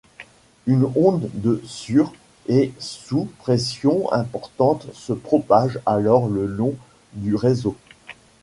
Une onde de sur- et sous-pressions importantes se propage alors le long du réseau.